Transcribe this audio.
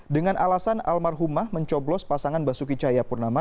dengan alasan almarhumah mencoblos pasangan basuki cahaya purnama